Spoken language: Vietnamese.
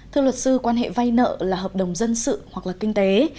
thưa luật sư quan hệ vay nợ là hợp đồng dân sự hoặc là kinh tế